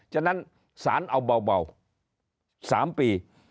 ฉะนั้นสารเอาเบา๓ปี